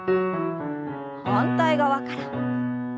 反対側から。